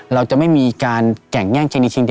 เราจะไม่มีการแก่งแย่งเจนิชิน